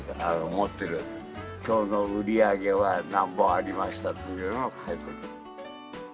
今日の売り上げはなんぼありましたっていうのを書いてる。